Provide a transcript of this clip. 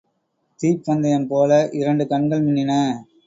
தீப்பந்தயம்போல இரண்டு கண்கள் மின்னின.